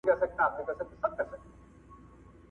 مګر کله یې چې پنځګر